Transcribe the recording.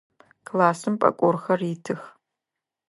Классым пӏэкӏорхэр итых.